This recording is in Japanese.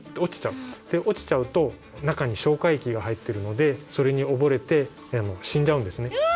で落ちちゃうと中に消化液が入ってるのでそれに溺れて死んじゃうんですね。